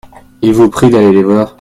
Ils vous prient d'aller les voir.